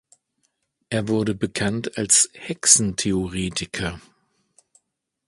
Er wurde bekannt als Hexentheoretiker.